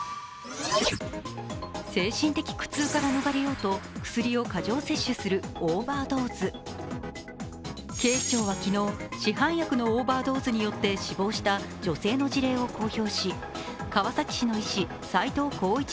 精神的苦痛から逃れようと薬を過剰摂取するオーバードーズ警視庁は昨日、市販薬のオーバードーズによって死亡した女性の事例を公表し、川崎市の医師、斉藤浩一